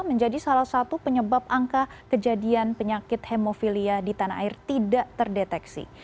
menjadi salah satu penyebab angka kejadian penyakit hemofilia di tanah air tidak terdeteksi